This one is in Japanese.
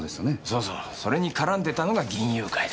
そうそうそれに絡んでたのが銀雄会だ。